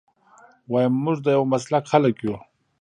ويم موږ د يو مسلک خلک يو.